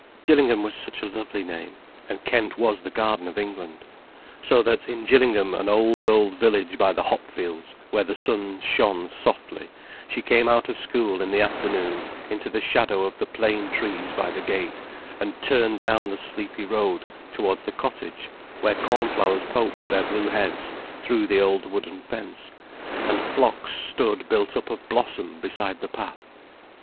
Gillingham was such a lovely name, and Kent was the Garden of England. So that, in Gillingham, an old, old village by the hopfields, where the sun shone softly, she came out of school in the afternoon into the shadow of the plane trees by the gate, and turned down the sleepy road towards the cottage where cornflowers poked their blue heads through the old wooden fence, and phlox stood built up of blossom beside the path.